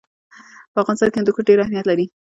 په افغانستان کې هندوکش ډېر اهمیت لري.